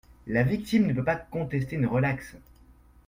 La victime ne peut pas contester une relaxe.